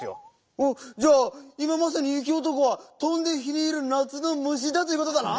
おっじゃあいままさにゆきおとこは「とんで火にいるなつのむし」だということだな！